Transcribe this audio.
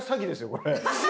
これ。